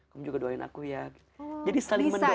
kamu juga doain aku ya jadi saling mendoa